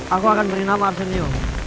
aku akan beri nama arsenio